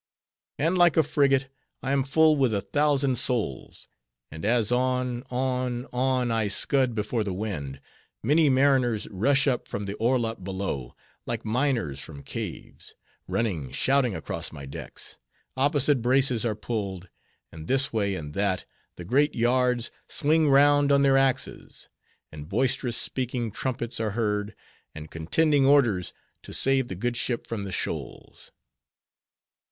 And like a frigate, I am full with a thousand souls; and as on, on, on, I scud before the wind, many mariners rush up from the orlop below, like miners from caves; running shouting across my decks; opposite braces are pulled; and this way and that, the great yards swing round on their axes; and boisterous speaking trumpets are heard; and contending orders, to save the good ship from the shoals.